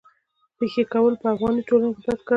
پېښې کول په افغاني ټولنه کي بد کار دی.